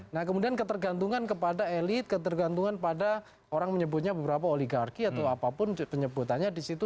nah kemudian ketergantungan kepada elit ketergantungan pada orang menyebutnya beberapa oligarki atau apapun penyebutannya disitu